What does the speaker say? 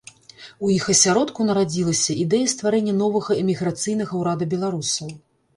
У іх асяродку нарадзілася ідэя стварэння новага эміграцыйнага ўрада беларусаў.